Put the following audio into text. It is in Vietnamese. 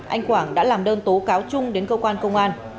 anh quảng đã làm đơn tố cáo chung đến cơ quan công an